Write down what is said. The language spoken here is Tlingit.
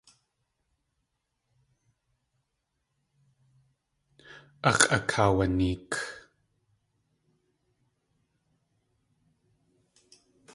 Ax̲ʼakaawaneek.